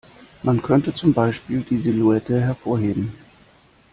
Man könnte zum Beispiel die Silhouette hervorheben.